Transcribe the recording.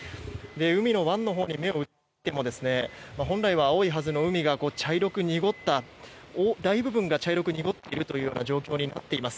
海の湾のほうに目を移してみても本来は青いはずの海が大部分が茶色く濁っているという状況になっています。